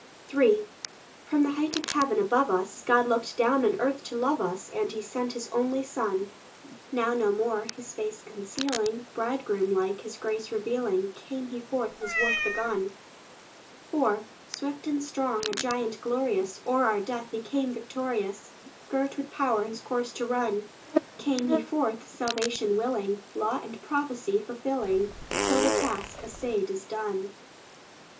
III From the height of heaven above us, God looked down on earth to love us, And He sent His only Son. Now no more His face concealing, Bridegroom like, His grace revealing, Came He forth His work begun. IV Swift and strong, a giant glorious, O'er our death He came victorious, Girt with power His course to run. Came he forth salvation willing, Law and prophecy fulfilling, Till the task assayed is done.